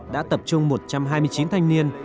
đã tập trung một trăm hai mươi chín thanh niên